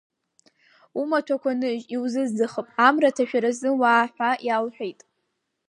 Умаҭәақәа ныжь, иузызӡахып, амра аҭашәаразы уаа, ҳәа иалҳәеит.